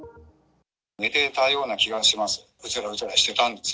寝ていたような気がします。